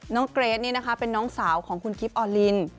เกรทนี่นะคะเป็นน้องสาวของคุณกิฟต์ออลิน